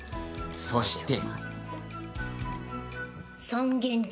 そして。